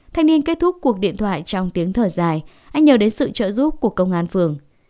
thanh niên kết thúc cuộc điện thoại trong tiếng thời dài anh nhờ đến sự trợ giúp của công an phường